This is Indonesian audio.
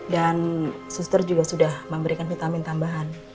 dan suster juga sudah memberikan vitamin tambahan